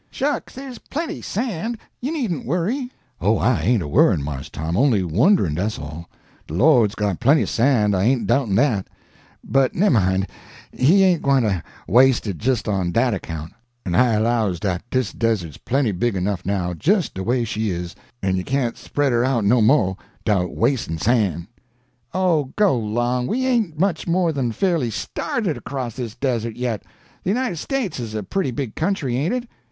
"Shucks, there's plenty sand, you needn't worry." "Oh, I ain't a worryin', Mars Tom, only wonderin', dat's all. De Lord's got plenty san', I ain't doubtin' dat; but nemmine, He ain't gwyne to was'e it jist on dat account; en I allows dat dis Desert's plenty big enough now, jist de way she is, en you can't spread her out no mo' 'dout was'in' san'." "Oh, go 'long! we ain't much more than fairly started across this Desert yet. The United States is a pretty big country, ain't it?